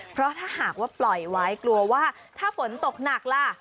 เพราะถ้าหากว่าปล่อยไว้กลัวว่าถ้าฝนตกหนักล่ะ